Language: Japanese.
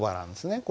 これ。